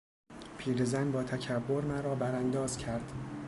پیر زن باتکبر مرا برانداز کرد.